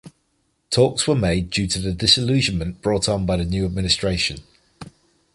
Talks were made due to the disillusionment brought by the new administration.